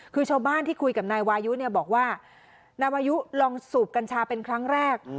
คือชาวบ้านที่คุยกับนายวายุเนี่ยบอกว่านายวายุลองสูบกัญชาเป็นครั้งแรก